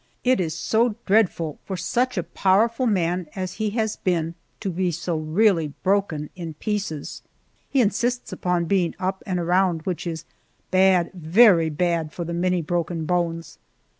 It is so dreadful for such a powerful man as he has been to be so really broken in pieces. He insists upon being up and around, which is bad, very bad, for the many broken bones.